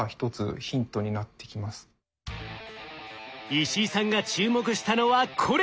石井さんが注目したのはこれ。